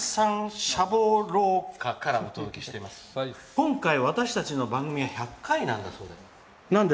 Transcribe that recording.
今回私たちの番組は１００回なんだそうで。